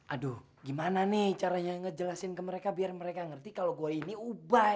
aduh gimana nih caranya ngejelasin ke mereka biar mereka ngerti kalau gue ini ubah